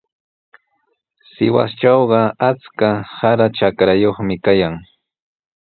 Sihuastrawqa achka sara trakrayuqmi kayan.